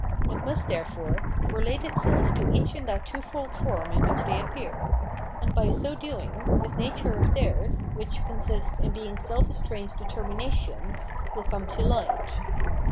It must, therefore, relate itself to each in that twofold form in which they appear; and by so domg, this nature of theirs, which consists in being self estranged determin ations, will come to fight.